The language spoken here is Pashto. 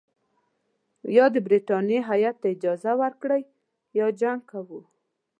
یا د برټانیې هیات ته اجازه ورکړئ یا جنګ کوو.